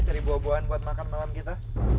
cari buah buahan buat makan malam kita